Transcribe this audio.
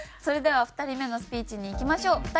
それでは２人目のスピーチにいきましょう。